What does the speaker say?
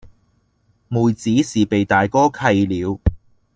妹子是被大哥喫了，